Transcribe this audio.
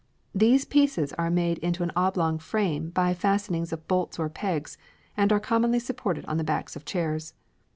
These pieces are made into an oblong frame by fastenings of bolts or pegs, and are commonly supported on the backs of chairs.